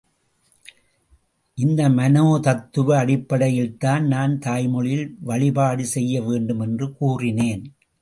இந்த மனோதத்துவ அடிப்படையில்தான் நான் தாய்மொழியில் வழிபாடு செய்யவேண்டும் என்று கூறினேன்.